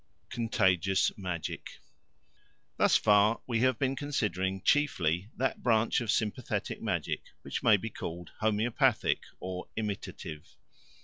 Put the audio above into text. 3. Contagious Magic THUS far we have been considering chiefly that branch of sympathetic magic which may be called homoeopathic or imitative.